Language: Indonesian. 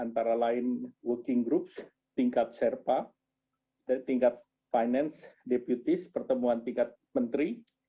antara lain working groups tingkat serpa tingkat finance deputies pertemuan tingkat menteri